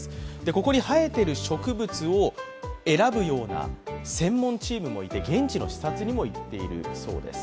ここに生えている植物を選ぶような専門チームもいて現地の視察にも行っているそうです。